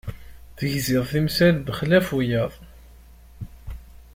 Tegziḍ timsal bexlaf wiyaḍ.